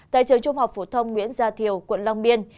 tại trường trung học phổ thông nguyễn gia thiều quận long biên